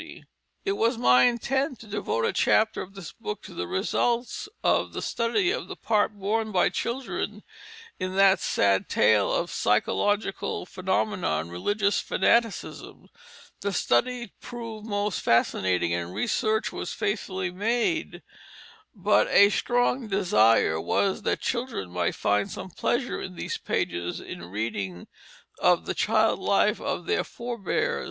[Illustration: Charles Spooner Cary, Eight Years Old, 1786] It was my intent to devote a chapter of this book to the results of the study of the part borne by children in that sad tale of psychological phenomena and religious fanaticism. The study proved most fascinating, and research was faithfully made; but a stronger desire was that children might find some pleasure in these pages in reading of the child life of their forbears.